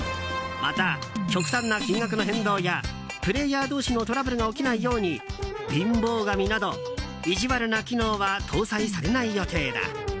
また、極端な金額の変動やプレーヤー同士のトラブルが起きないように貧乏神など意地悪な機能は搭載されない予定だ。